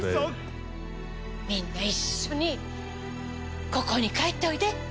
みんな一緒にここに帰っておいで。